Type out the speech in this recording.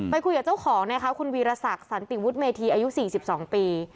ไปคุยกับเจ้าของนะคะคุณวีรศักดิ์สันติวุฒเมธีอายุ๔๒ปี